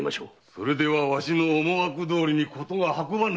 それではわしの思惑どおり事が運ばぬ！